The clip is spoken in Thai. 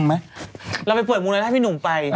เราไปเปิดภูมิกำหนดให้หนุ่มไป